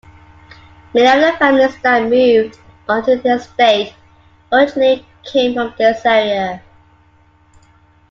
Many of the families that moved onto the estate originally came from this area.